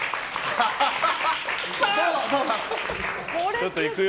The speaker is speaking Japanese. ちょっと、いくよ。